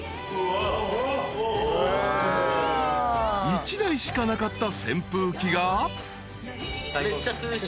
［１台しかなかった扇風機が］